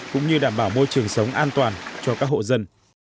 cũng như đảm bảo môi trường sống an toàn cho các hộ dân